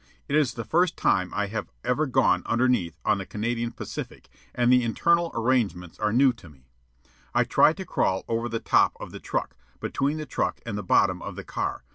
It is the first time I have ever gone underneath on the Canadian Pacific, and the internal arrangements are new to me. I try to crawl over the top of the truck, between the truck and the bottom of the car.